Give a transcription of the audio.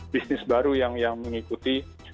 bisnis baru yang mengikuti